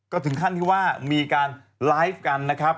ก็ถึงขั้นที่ว่ามีการไลฟ์กันนะครับ